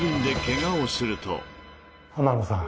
天野さん